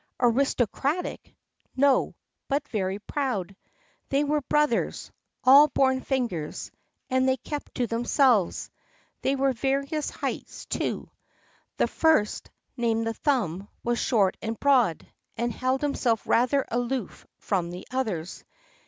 "Aristocratic? No; but very proud. They were brothers, all born fingers, and they kept to themselves. They were various heights, too. The first—named the Thumb—was short and broad, and held himself rather aloof from the others.